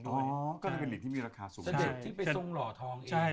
ก็จะเป็นผู้หนิงที่มีราคาสูงงานมายกิจ